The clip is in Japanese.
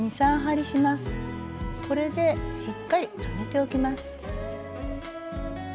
これでしっかり留めておきます。